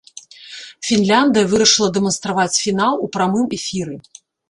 Фінляндыя вырашыла дэманстраваць фінал у прамым эфіры.